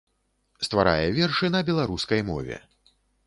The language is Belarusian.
Стварае вершы на беларускай мове.